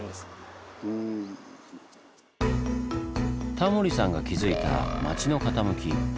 タモリさんが気付いた「町の傾き」。